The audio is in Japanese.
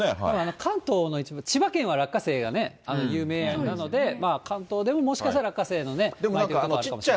関東の一部千葉県は落花生が有名なので、関東でももしかしたら落花生の地域あるかもしれない。